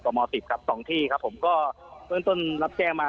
ม๑๐ครับ๒ที่ครับผมก็เบื้องต้นรับแจ้งมา